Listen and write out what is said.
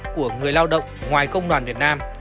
của người lao động ngoài công đoàn việt nam